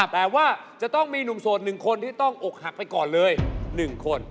แปลว่าจะต้องมีหนุ่มโสดหนึ่งคนที่ต้องอกหักไปก่อนเลยหนึ่งคน